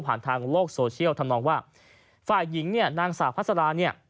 ทางโลกโซเชียลทำนองว่าฝ่ายหญิงเนี่ยนางสาวพัสราเนี่ย